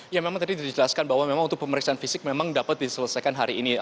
ya memang tadi dijelaskan bahwa memang untuk pemeriksaan fisik memang dapat diselesaikan hari ini